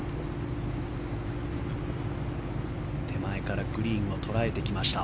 手前からグリーンを捉えてきました。